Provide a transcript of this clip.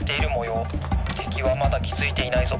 てきはまだきづいていないぞ。